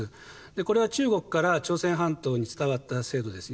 これは中国から朝鮮半島に伝わった制度ですよね。